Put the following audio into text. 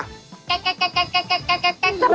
แก๊